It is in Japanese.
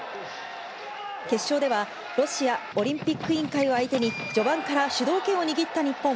決勝では、ロシアオリンピック委員会を相手に、序盤から主導権を握った日本。